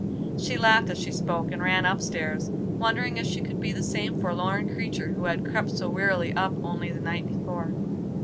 She laughed as she spoke, and ran up stairs, wondering if she could be the same forlorn creature who had crept so wearily up only the night before.